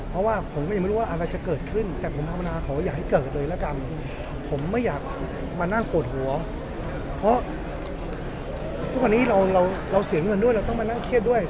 เพราะว่าผมก็ยังไม่รู้ว่าอะไรจะเกิดขึ้นแต่ผมธรรมดาขอให้เกิดเลยละกันผมไม่อยากมานั่งปวดหัวเพราะทุกวันนี้เราเราเสียเงินด้วยเราต้องมานั่งเครียดด้วย